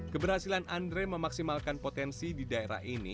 keberhasilan andre memaksimalkan potensi di daerah ini